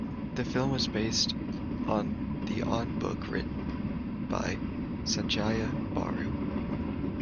The film was based on the on Book written by Sanjaya Baru.